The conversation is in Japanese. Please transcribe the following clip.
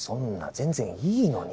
全然いいのに。